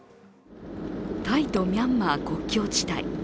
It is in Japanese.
タイとミャンマー国境地帯。